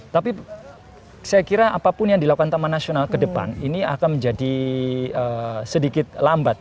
tapi saya kira apapun yang dilakukan taman nasional ke depan ini akan menjadi sedikit lambat